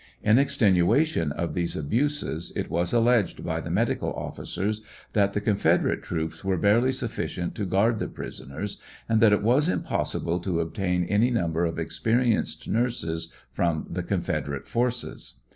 In extenuation of these abuses it was alleged by the medical officers that the Confederate troops were barely sufficient to guard the prisoners, and that it was impossible to obtain any number of experienced nurses from the Confederate forces.